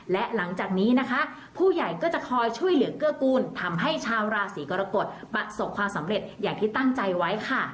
และหลังจากนี้นะคะผู้ใหญ่ก็จะคอยช่วยเหลือเกื้อกูลทำให้ชาวราศีกรกฎประสบความสำเร็จอย่างที่ตั้งใจไว้ค่ะ